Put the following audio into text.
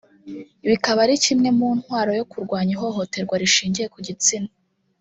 bikaba ari kimwe mu ntwaro yo kurwanya ihohoterwa rishingiye ku gitsina